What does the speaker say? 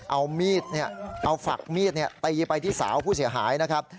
เอาฝักมีดตีไปที่สาวผู้เสียหายนะครับ